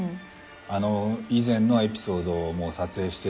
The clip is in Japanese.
あの以前のエピソードをもう撮影しているので。